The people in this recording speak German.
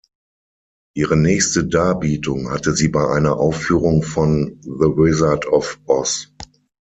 Ihre nächste Darbietung hatte sie bei einer Aufführung von „The Wizard of Oz“.